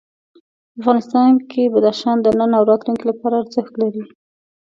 افغانستان کې بدخشان د نن او راتلونکي لپاره ارزښت لري.